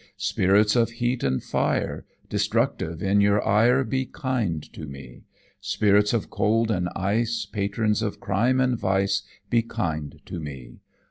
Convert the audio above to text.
"Spirits of heat and fire, Destructive in your ire, Be kind to me. "Spirits of cold and ice, Patrons of crime and vice, Be kind to me.